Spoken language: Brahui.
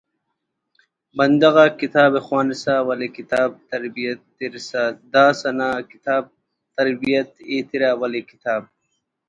بندغ آک کتاب خوانتوسہ ولے کتاب ترتیب تسرہ داسہ ناک کتاب ترتیب ایترہ ولے کتاب